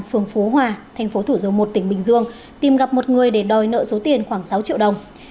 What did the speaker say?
phường phố hòa tp thủ dầu một tỉnh bình dương tìm gặp một người để đòi nợ số tiền khoảng sáu triệu đồng